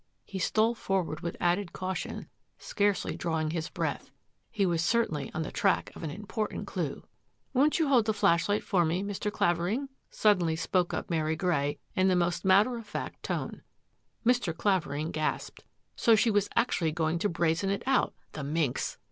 He stole forward with added caution, scarcely drawing his breath. He was certainly on the track of an important clue. " Won't you hold the flashlight for me, Mr. Clavering? " suddenly spoke up Mary Grey in the most matter of fact tone. Mr. Clavering gasped. So she was actually going to brazen it out. The minx!